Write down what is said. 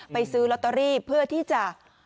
ซื้อลอตเตอรี่เพื่อที่จะ